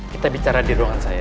kita bicara di ruangan saya